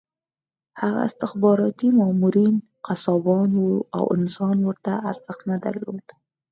هغه استخباراتي مامورین قصابان وو او انسان ورته ارزښت نه درلود